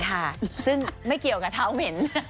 ค่ะซึ่งไม่เกี่ยวกับเท้าเหม็น